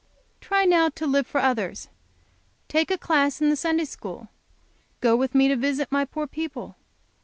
Try now to live for others. Take a class in the Sunday school. Go with me to visit my poor people.